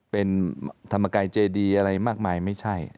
เป็นธรรมกายเจดีอะไรมากมายไม่ใช่